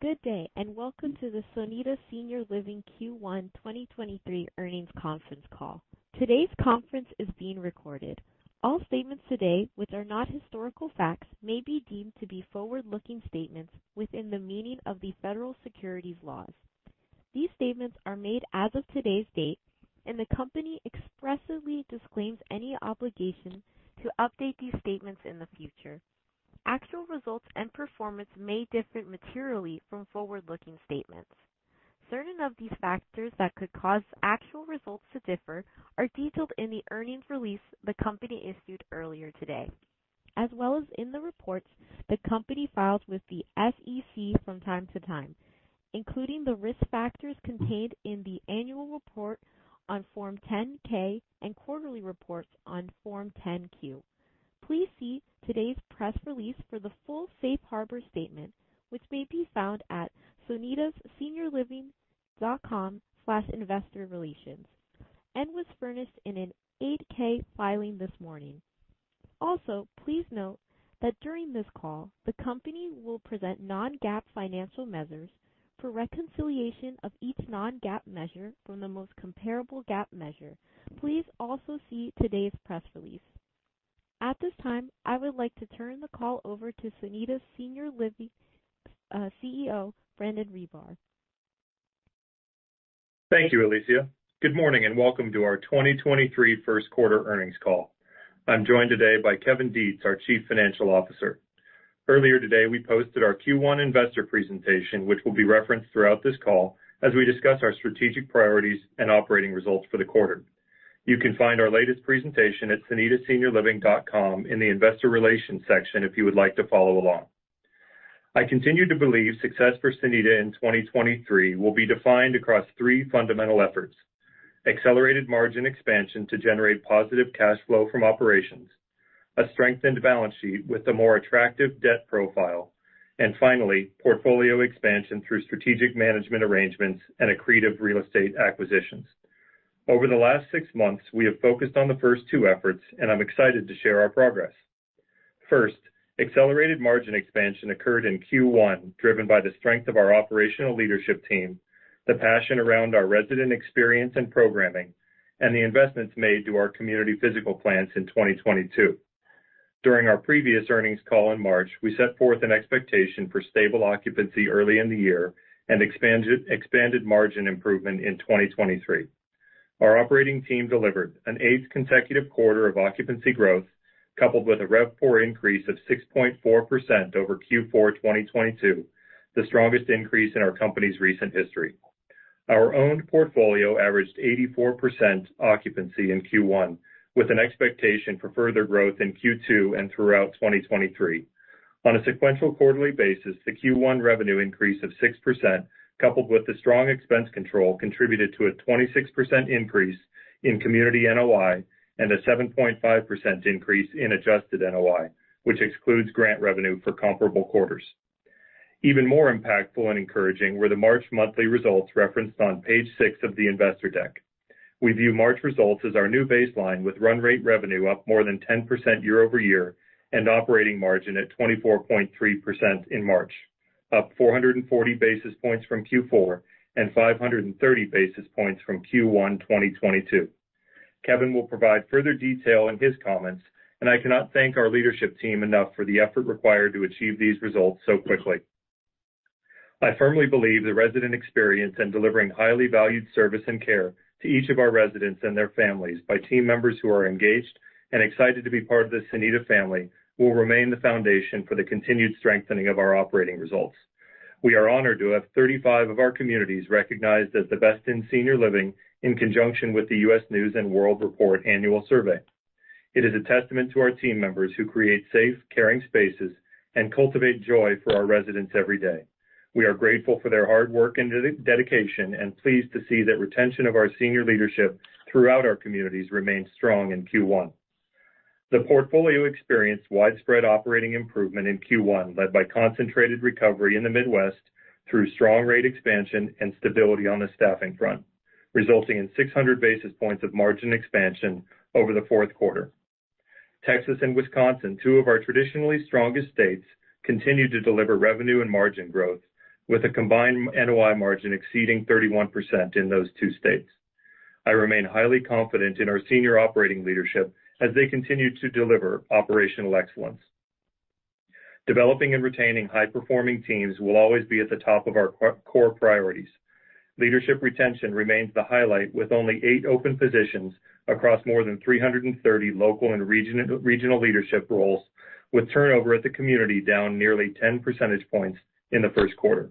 Good day, and welcome to the Sonida Senior Living Q1 2023 earnings conference call. Today's conference is being recorded. All statements today, which are not historical facts, may be deemed to be forward-looking statements within the meaning of the Federal securities laws. These statements are made as of today's date, and the company expressly disclaims any obligation to update these statements in the future. Actual results and performance may differ materially from forward-looking statements. Certain of these factors that could cause actual results to differ are detailed in the earnings release the company issued earlier today, as well as in the reports the company files with the SEC from time to time, including the risk factors contained in the annual report on Form 10-K and quarterly reports on Form 10-Q. Please see today's press release for the full safe harbor statement, which may be found at sonidaseniorliving.com/investorrelations, and was furnished in an 8-K filing this morning. Also, please note that during this call, the company will present non-GAAP financial measures for reconciliation of each non-GAAP measure from the most comparable GAAP measure. Please also see today's press release. At this time, I would like to turn the call over to Sonida Senior Living, CEO, Brandon Ribar. Thank you, Alicia. Good morning, and welcome to our 2023 first quarter earnings call. I'm joined today by Kevin Detz, our Chief Financial Officer. Earlier today, we posted our Q1 investor presentation, which will be referenced throughout this call as we discuss our strategic priorities and operating results for the quarter. You can find our latest presentation at sonidaseniorliving.com in the investor relations section if you would like to follow along. I continue to believe success for Sonida in 2023 will be defined across three fundamental efforts. Accelerated margin expansion to generate positive cash flow from operations, a strengthened balance sheet with a more attractive debt profile, and finally, portfolio expansion through strategic management arrangements and accretive real estate acquisitions. Over the last six months, we have focused on the first two efforts, and I'm excited to share our progress. Accelerated margin expansion occurred in Q1, driven by the strength of our operational leadership team, the passion around our resident experience and programming, and the investments made to our community physical plans in 2022. During our previous earnings call in March, we set forth an expectation for stable occupancy early in the year and expanded margin improvement in 2023. Our operating team delivered an eighth consecutive quarter of occupancy growth, coupled with a RevPOR increase of 6.4% over Q4 2022, the strongest increase in our company's recent history. Our owned portfolio averaged 84% occupancy in Q1, with an expectation for further growth in Q2 and throughout 2023. On a sequential quarterly basis, the Q1 revenue increase of 6%, coupled with the strong expense control, contributed to a 26% increase in community NOI and a 7.5% increase in Adjusted NOI, which excludes grant revenue for comparable quarters. Even more impactful and encouraging were the March monthly results referenced on page six of the investor deck. We view March results as our new baseline, with run rate revenue up more than 10% year-over-year and operating margin at 24.3% in March, up 440 basis points from Q4 and 530 basis points from Q1 2022. Kevin will provide further detail in his comments, and I cannot thank our leadership team enough for the effort required to achieve these results so quickly. I firmly believe the resident experience in delivering highly valued service and care to each of our residents and their families by team members who are engaged and excited to be part of the Sonida family will remain the foundation for the continued strengthening of our operating results. We are honored to have 35 of our communities recognized as the best in senior living in conjunction with the U.S. News & World Report annual survey. It is a testament to our team members who create safe, caring spaces and cultivate joy for our residents every day. We are grateful for their hard work and dedication and pleased to see that retention of our senior leadership throughout our communities remained strong in Q1. The portfolio experienced widespread operating improvement in Q1, led by concentrated recovery in the Midwest through strong rate expansion and stability on the staffing front, resulting in 600 basis points of margin expansion over the fourth quarter. Texas and Wisconsin, two of our traditionally strongest states, continued to deliver revenue and margin growth with a combined NOI margin exceeding 31% in those two states. I remain highly confident in our senior operating leadership as they continue to deliver operational excellence. Developing and retaining high-performing teams will always be at the top of our core priorities. Leadership retention remains the highlight, with only eight open positions across more than 330 local and regional leadership roles, with turnover at the community down nearly 10 percentage points in the first quarter.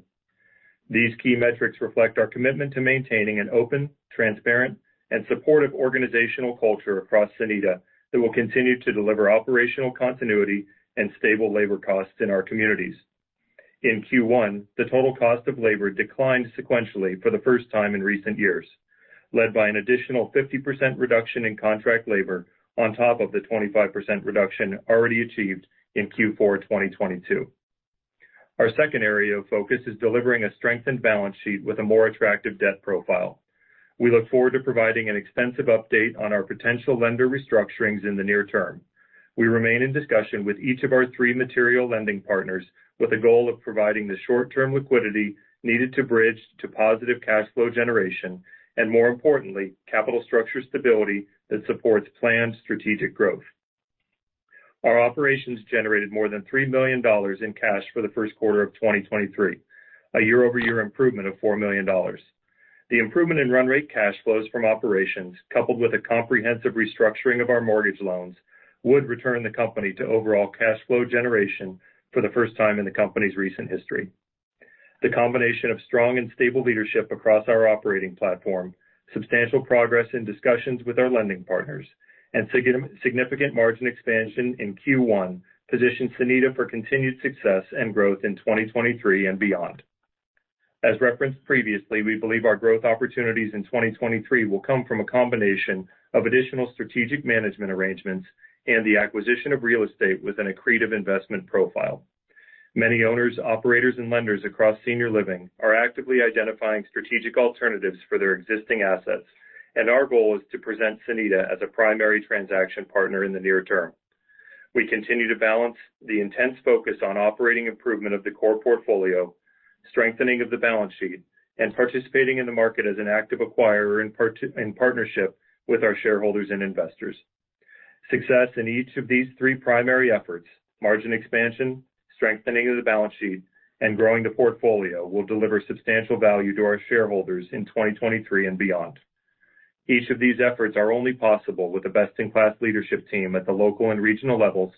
These key metrics reflect our commitment to maintaining an open, transparent, and supportive organizational culture across Sonida that will continue to deliver operational continuity and stable labor costs in our communities. In Q1, the total cost of labor declined sequentially for the first time in recent years, led by an additional 50% reduction in contract labor on top of the 25% reduction already achieved in Q4 2022. Our second area of focus is delivering a strengthened balance sheet with a more attractive debt profile. We look forward to providing an extensive update on our potential lender restructurings in the near term. We remain in discussion with each of our three material lending partners with a goal of providing the short-term liquidity needed to bridge to positive cash flow generation and, more importantly, capital structure stability that supports planned strategic growth. Our operations generated more than $3 million in cash for the first quarter of 2023, a year-over-year improvement of $4 million. The improvement in run rate cash flows from operations, coupled with a comprehensive restructuring of our mortgage loans, would return the company to overall cash flow generation for the first time in the company's recent history. The combination of strong and stable leadership across our operating platform, substantial progress in discussions with our lending partners, and significant margin expansion in Q1 positions Sonida for continued success and growth in 2023 and beyond. As referenced previously, we believe our growth opportunities in 2023 will come from a combination of additional strategic management arrangements and the acquisition of real estate with an accretive investment profile. Many owners, operators, and lenders across senior living are actively identifying strategic alternatives for their existing assets. Our goal is to present Sonida as a primary transaction partner in the near term. We continue to balance the intense focus on operating improvement of the core portfolio, strengthening of the balance sheet, and participating in the market as an active acquirer in partnership with our shareholders and investors. Success in each of these three primary efforts, margin expansion, strengthening of the balance sheet, and growing the portfolio, will deliver substantial value to our shareholders in 2023 and beyond. Each of these efforts are only possible with a best-in-class leadership team at the local and regional levels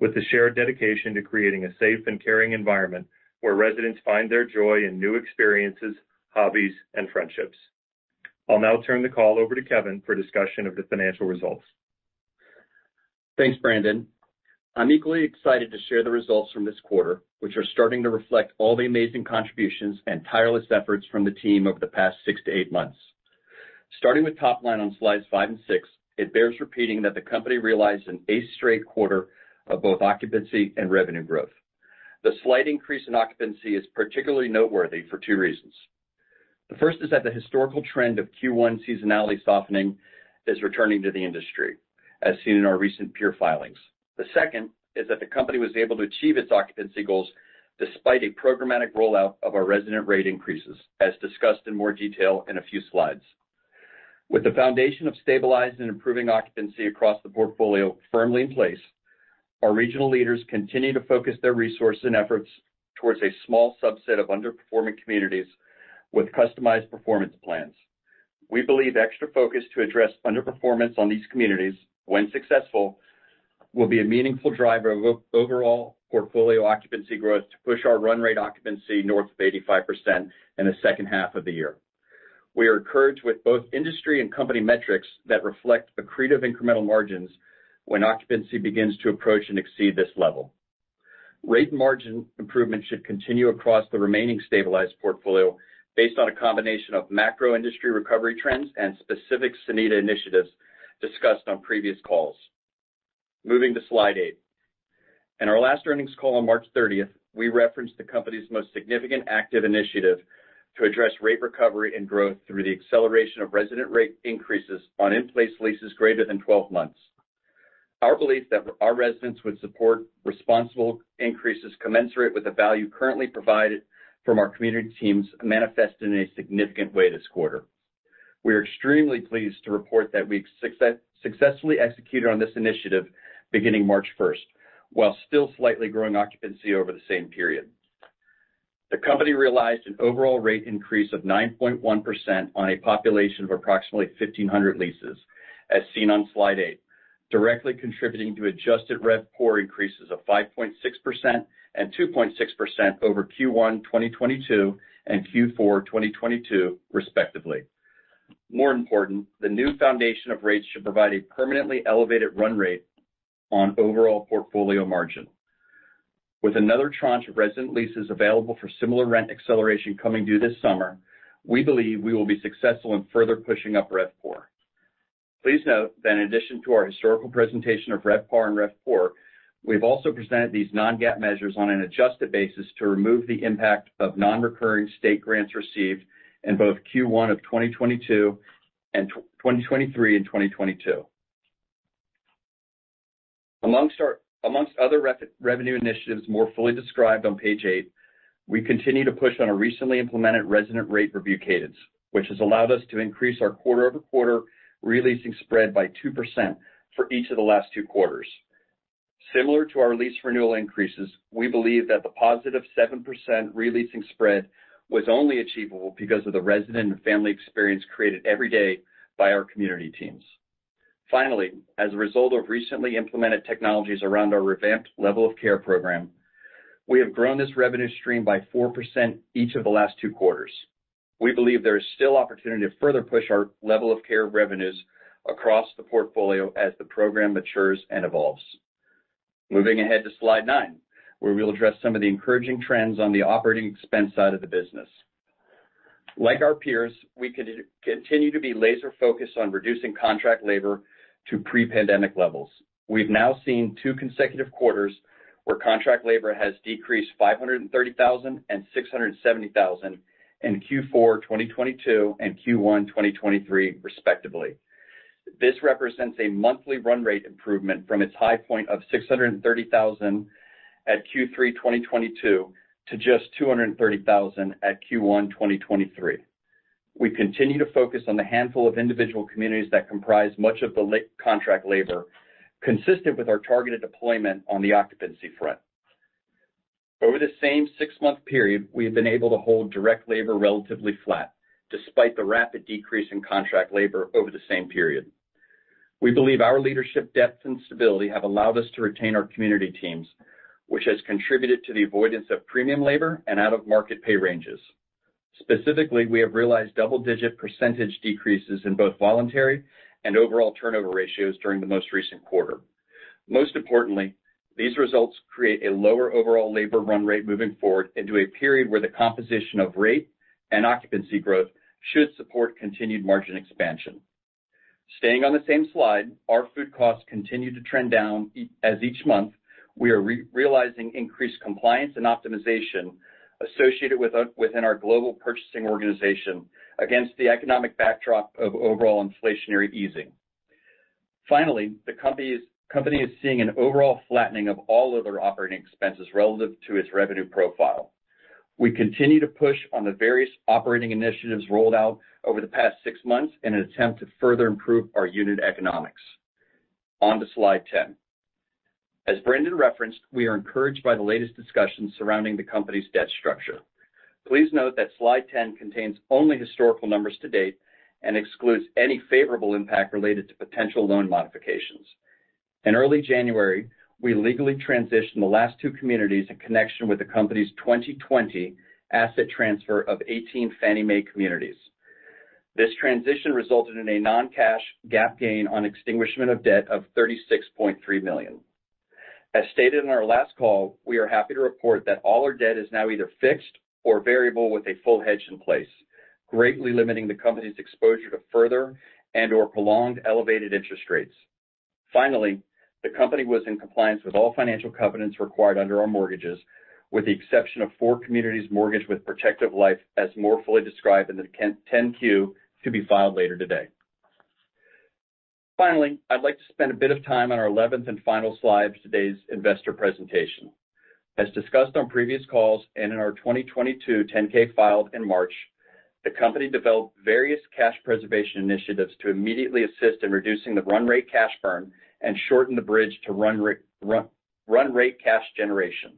with a shared dedication to creating a safe and caring environment where residents find their joy in new experiences, hobbies, and friendships. I'll now turn the call over to Kevin for discussion of the financial results. Thanks, Brandon. I'm equally excited to share the results from this quarter, which are starting to reflect all the amazing contributions and tireless efforts from the team over the past six to eight months. Starting with top line on slides five and six, it bears repeating that the company realized an eighth straight quarter of both occupancy and revenue growth. The slight increase in occupancy is particularly noteworthy for two reasons. The first is that the historical trend of Q1 seasonality softening is returning to the industry, as seen in our recent peer filings. The second is that the company was able to achieve its occupancy goals despite a programmatic rollout of our resident rate increases, as discussed in more detail in a few slides. With the foundation of stabilized and improving occupancy across the portfolio firmly in place, our regional leaders continue to focus their resources and efforts towards a small subset of underperforming communities with customized performance plans. We believe extra focus to address underperformance on these communities, when successful, will be a meaningful driver of overall portfolio occupancy growth to push our run rate occupancy north of 85% in the second half of the year. We are encouraged with both industry and company metrics that reflect accretive incremental margins when occupancy begins to approach and exceed this level. Rate and margin improvement should continue across the remaining stabilized portfolio based on a combination of macro industry recovery trends and specific Sonida initiatives discussed on previous calls. Moving to slide eight. In our last earnings call on March 30th, we referenced the company's most significant active initiative to address rate recovery and growth through the acceleration of resident rate increases on in-place leases greater than 12 months. Our belief that our residents would support responsible increases commensurate with the value currently provided from our community teams manifested in a significant way this quarter. We are extremely pleased to report that we successfully executed on this initiative beginning March 1st, while still slightly growing occupancy over the same period. The company realized an overall rate increase of 9.1% on a population of approximately 1,500 leases as seen on slide eight, directly contributing to Adjusted RevPAR increases of 5.6% and 2.6% over Q1 2022 and Q4 2022 respectively. More important, the new foundation of rates should provide a permanently elevated run rate on overall portfolio margin. With another tranche of resident leases available for similar rent acceleration coming due this summer, we believe we will be successful in further pushing up RevPOR. Please note that in addition to our historical presentation of RevPAR and RevPOR, we've also presented these non-GAAP measures on an adjusted basis to remove the impact of non-recurring state grants received in both Q1 of 2022 and 2023 and 2022. Amongst other revenue initiatives more fully described on page eight, we continue to push on a recently implemented resident rate review cadence, which has allowed us to increase our quarter-over-quarter re-leasing spread by 2% for each of the last two quarters. Similar to our lease renewal increases, we believe that the positive 7% re-leasing spread was only achievable because of the resident and family experience created every day by our community teams. As a result of recently implemented technologies around our revamped level of care program, we have grown this revenue stream by 4% each of the last two quarters. We believe there is still opportunity to further push our level of care revenues across the portfolio as the program matures and evolves. Moving ahead to slide nine, where we'll address some of the encouraging trends on the operating expense side of the business. Like our peers, we continue to be laser-focused on reducing contract labor to pre-pandemic levels. We've now seen two consecutive quarters where contract labor has decreased $530,000 and $670,000 in Q4 2022 and Q1 2023 respectively. This represents a monthly run rate improvement from its high point of $630,000 at Q3 2022 to just $230,000 at Q1 2023. We continue to focus on the handful of individual communities that comprise much of the contract labor, consistent with our targeted deployment on the occupancy front. Over the same six-month period, we have been able to hold direct labor relatively flat despite the rapid decrease in contract labor over the same period. We believe our leadership depth and stability have allowed us to retain our community teams, which has contributed to the avoidance of premium labor and out-of-market pay ranges. Specifically, we have realized double-digit percentage decreases in both voluntary and overall turnover ratios during the most recent quarter. Most importantly, these results create a lower overall labor run rate moving forward into a period where the composition of rate and occupancy growth should support continued margin expansion. Staying on the same slide, our food costs continue to trend down as each month, we are realizing increased compliance and optimization associated with within our global purchasing organization against the economic backdrop of overall inflationary easing. Finally, the company is seeing an overall flattening of all other operating expenses relative to its revenue profile. We continue to push on the various operating initiatives rolled out over the past six months in an attempt to further improve our unit economics. On to slide 10. As Brandon referenced, we are encouraged by the latest discussions surrounding the company's debt structure. Please note that slide 10 contains only historical numbers to date and excludes any favorable impact related to potential loan modifications. In early January, we legally transitioned the last two communities in connection with the company's 2020 asset transfer of 18 Fannie Mae communities. This transition resulted in a non-cash GAAP gain on extinguishment of debt of $36.3 million. As stated in our last call, we are happy to report that all our debt is now either fixed or variable with a full hedge in place, greatly limiting the company's exposure to further and/or prolonged elevated interest rates. Finally, the company was in compliance with all financial covenants required under our mortgages, with the exception of four communities mortgaged with Protective Life, as more fully described in the 10-Q to be filed later today. Finally, I'd like to spend a bit of time on our eleventh and final slide of today's investor presentation. As discussed on previous calls and in our 2022 10-K filed in March, the company developed various cash preservation initiatives to immediately assist in reducing the run rate cash burn and shorten the bridge to run rate cash generation.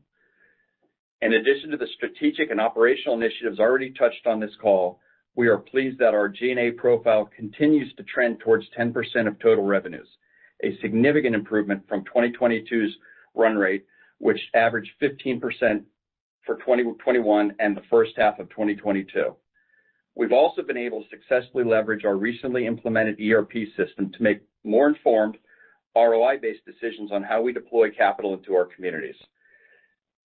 In addition to the strategic and operational initiatives already touched on this call, we are pleased that our G&A profile continues to trend towards 10% of total revenues, a significant improvement from 2022's run rate, which averaged 15% for 2021 and the first half of 2022. We've also been able to successfully leverage our recently implemented ERP system to make more informed ROI-based decisions on how we deploy capital into our communities.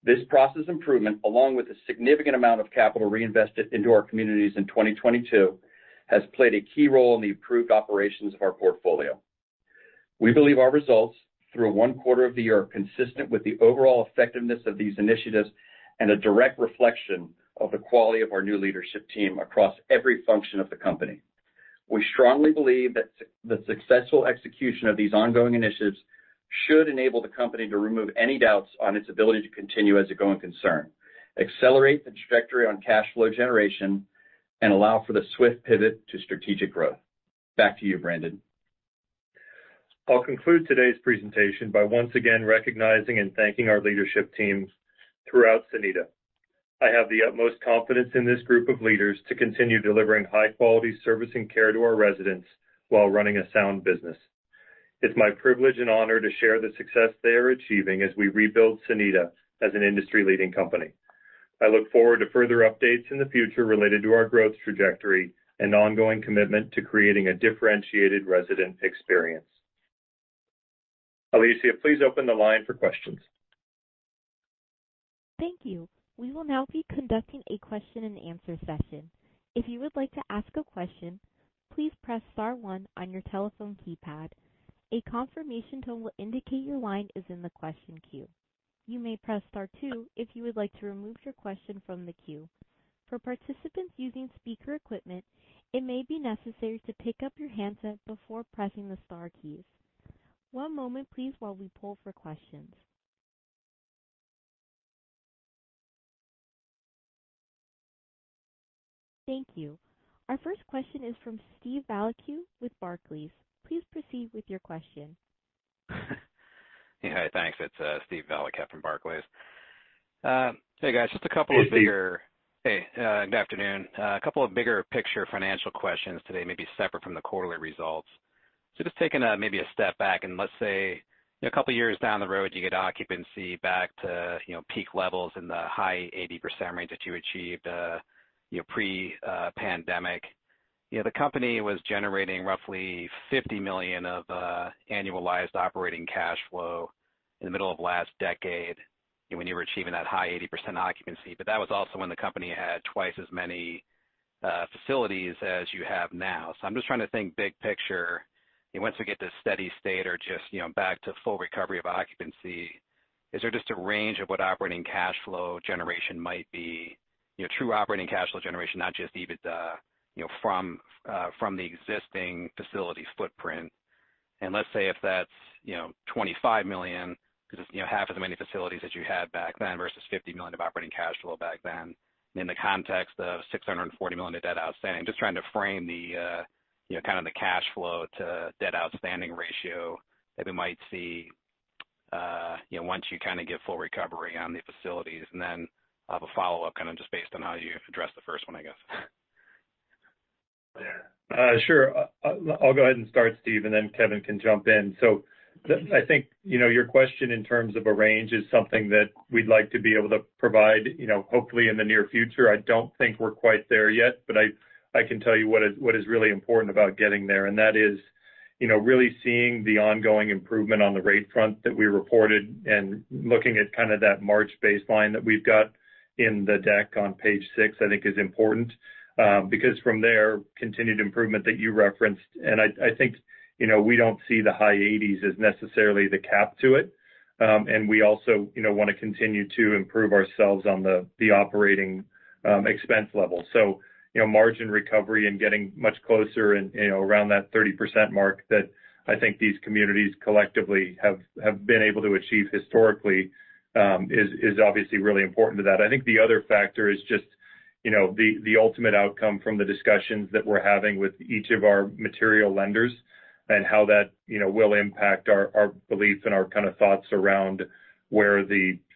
This process improvement, along with a significant amount of capital reinvested into our communities in 2022, has played a key role in the improved operations of our portfolio. We believe our results through one quarter of the year are consistent with the overall effectiveness of these initiatives and a direct reflection of the quality of our new leadership team across every function of the company. We strongly believe that the successful execution of these ongoing initiatives should enable the company to remove any doubts on its ability to continue as a going concern, accelerate the trajectory on cash flow generation, and allow for the swift pivot to strategic growth. Back to you, Brandon. I'll conclude today's presentation by once again recognizing and thanking our leadership teams throughout Sonida. I have the utmost confidence in this group of leaders to continue delivering high-quality servicing care to our residents while running a sound business. It's my privilege and honor to share the success they are achieving as we rebuild Sonida as an industry-leading company. I look forward to further updates in the future related to our growth trajectory and ongoing commitment to creating a differentiated resident experience. Alicia, please open the line for questions. Thank you. We will now be conducting a question-and-answer session. If you would like to ask a question, please press star one on your telephone keypad. A confirmation tone will indicate your line is in the question queue. You may press star two if you would like to remove your question from the queue. For participants using speaker equipment, it may be necessary to pick up your handset before pressing the star keys. One moment please while we poll for questions. Thank you. Our first question is from Steven Valiquette with Barclays. Please proceed with your question. Yeah. Thanks. It's Steven Valiquette from Barclays. Hey, guys, just a couple of bigger. Hey, Steve. Hey, good afternoon. A couple of bigger picture financial questions today, maybe separate from the quarterly results. Just taking, maybe a step back, and let's say a couple of years down the road, you get occupancy back to, you know, peak levels in the high 80% range that you achieved, you know, pre, pandemic. You know, the company was generating roughly $50 million of, annualized operating cash flow in the middle of last decade when you were achieving that high 80% occupancy. That was also when the company had twice as many, facilities as you have now. I'm just trying to think big picture, once we get to steady state or just, you know, back to full recovery of occupancy, is there just a range of what operating cash flow generation might be? You know, true operating cash flow generation, not just EBITDA, you know, from the existing facility footprint. Let's say if that's, you know, $25 million, 'cause it's, you know, half as many facilities that you had back then versus $50 million of operating cash flow back then. In the context of $640 million of debt outstanding, just trying to frame the, you know, kind of the cash flow to debt outstanding ratio that we might see, you know, once you kinda get full recovery on the facilities. Then I have a follow-up kind of just based on how you address the first one, I guess. Sure. I'll go ahead and start, Steve, and then Kevin can jump in. I think, you know, your question in terms of a range is something that we'd like to be able to provide, you know, hopefully in the near future. I don't think we're quite there yet, but I can tell you what is, what is really important about getting there. That is, you know, really seeing the ongoing improvement on the rate front that we reported and looking at kind of that March baseline that we've got in the deck on page six, I think is important. Because from there, continued improvement that you referenced, and I think, you know, we don't see the high 80s as necessarily the cap to it. We also, you know, wanna continue to improve ourselves on the operating expense level. You know, margin recovery and getting much closer and, you know, around that 30% mark that I think these communities collectively have been able to achieve historically, is obviously really important to that. I think the other factor is just, you know, the ultimate outcome from the discussions that we're having with each of our material lenders and how that, you know, will impact our beliefs and our kind of thoughts around where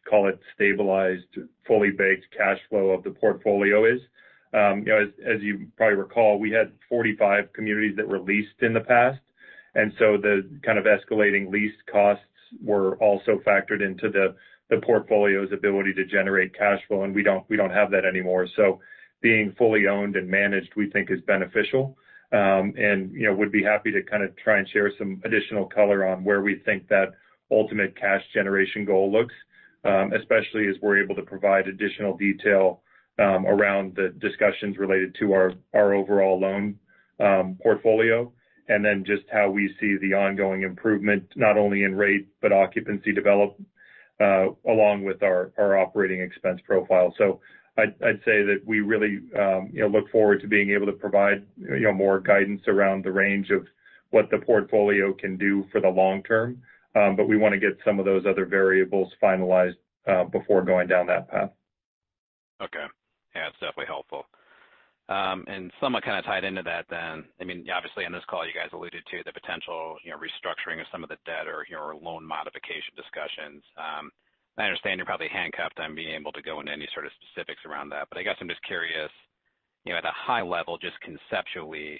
call it, stabilized, fully baked cash flow of the portfolio is. You know, as you probably recall, we had 45 communities that were leased in the past, and so the kind of escalating lease costs were also factored into the portfolio's ability to generate cash flow, and we don't have that anymore. Being fully owned and managed, we think is beneficial. You know, we'd be happy to kind of try and share some additional color on where we think that ultimate cash generation goal looks, especially as we're able to provide additional detail around the discussions related to our overall loan portfolio. Just how we see the ongoing improvement, not only in rate, but occupancy develop along with our operating expense profile. I'd say that we really, you know, look forward to being able to provide, you know, more guidance around the range of what the portfolio can do for the long term. We wanna get some of those other variables finalized before going down that path. Okay. Yeah, it's definitely helpful. Somewhat kind of tied into that then, I mean, obviously, on this call, you guys alluded to the potential, you know, restructuring of some of the debt or, you know, loan modification discussions. I understand you're probably handcuffed on being able to go into any sort of specifics around that. I guess I'm just curious, you know, at a high level, just conceptually,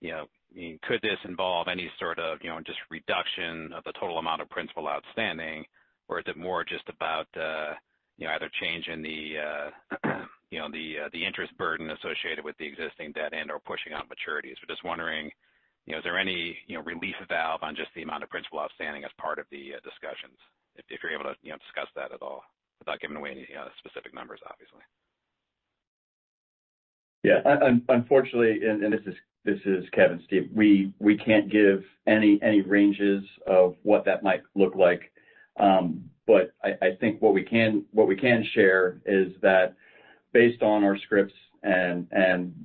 you know, could this involve any sort of, you know, just reduction of the total amount of principal outstanding? Is it more just about, you know, either changing the, you know, the interest burden associated with the existing debt and/or pushing out maturities? Just wondering, you know, is there any, you know, relief valve on just the amount of principal outstanding as part of the discussions? If you're able to, you know, discuss that at all without giving away any specific numbers, obviously. Yeah. Unfortunately, and this is Kevin, Steve, we can't give any ranges of what that might look like. I think what we can share is that based on our scripts and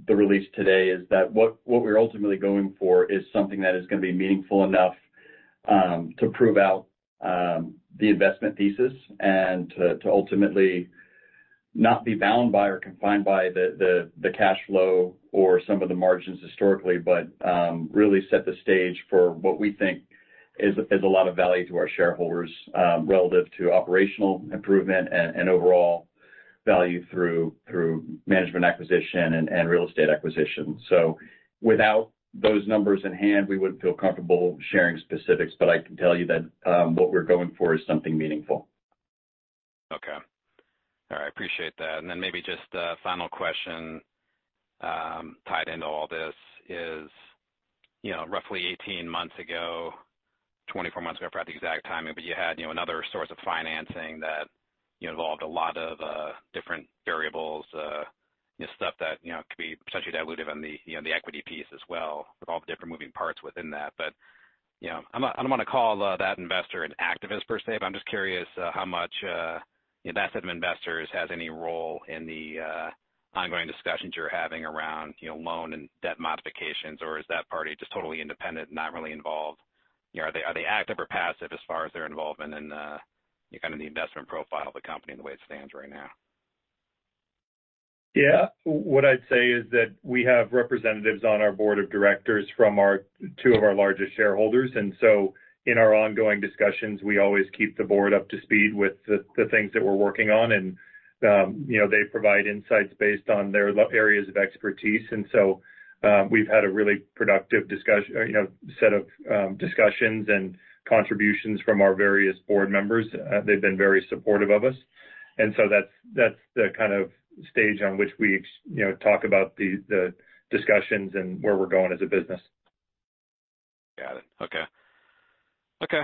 the release today, is that what we're ultimately going for is something that is gonna be meaningful enough to prove out the investment thesis and to ultimately not be bound by or confined by the cash flow or some of the margins historically. really set the stage for what we think is a lot of value to our shareholders, relative to operational improvement and overall value through management acquisition and real estate acquisition. Without those numbers in hand, we wouldn't feel comfortable sharing specifics, but I can tell you that, what we're going for is something meaningful. Okay. All right. Appreciate that. Maybe just a final question, tied into all this is, you know, roughly 18 months ago, 24 months ago, I forgot the exact timing, but you had, you know, another source of financing that, you know, involved a lot of different variables, you know, stuff that, you know, could be potentially dilutive on the, you know, the equity piece as well with all the different moving parts within that. You know, I'm gonna call that investor an activist per se, but I'm just curious how much investment investors has any role in the ongoing discussions you're having around, you know, loan and debt modifications, or is that party just totally independent, not really involved? You know, are they active or passive as far as their involvement in, you know, kind of the investment profile of the company and the way it stands right now? Yeah. What I'd say is that we have representatives on our board of directors from our two of our largest shareholders. In our ongoing discussions, we always keep the board up to speed with the things that we're working on. You know, they provide insights based on their areas of expertise. We've had a really productive you know, set of discussions and contributions from our various board members. They've been very supportive of us. That's the kind of stage on which we you know, talk about the discussions and where we're going as a business. Got it. Okay. Okay.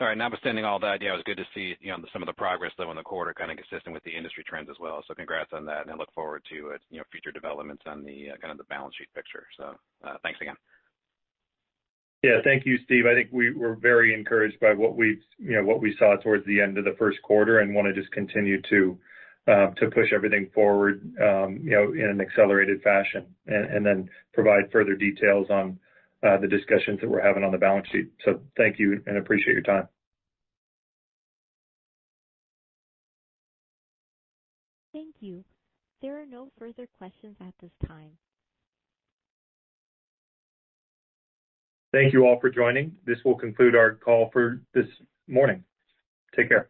All right. Notwithstanding all that, yeah, it was good to see, you know, some of the progress, though, in the quarter, kind of consistent with the industry trends as well. Congrats on that, and I look forward to, you know, future developments on the kind of the balance sheet picture. Thanks again. Yeah. Thank you, Steve. I think we're very encouraged by what we've, you know, what we saw towards the end of the first quarter and wanna just continue to push everything forward, you know, in an accelerated fashion. Then provide further details on the discussions that we're having on the balance sheet. Thank you, and appreciate your time. Thank you. There are no further questions at this time. Thank you all for joining. This will conclude our call for this morning. Take care.